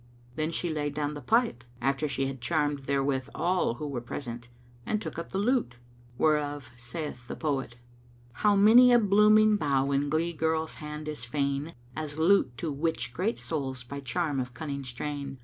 Then she laid down the pipe, after she had charmed therewith all who were present, and took up the lute, whereof saith the poet, "How many a blooming bough in glee girl's hand is fain * as lute to 'witch great souls by charm of cunning strain!